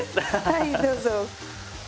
はいどうぞ。